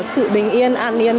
sự bình yên an nhiên